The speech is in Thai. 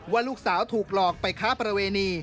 ว่าลูกสาวถูกหลอกไปค้าประเวณี